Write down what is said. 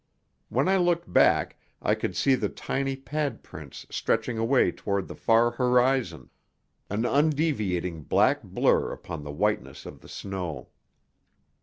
When I looked back I could see the tiny pad prints stretching away toward the far horizon, an undeviating black blur upon the whiteness of the snow.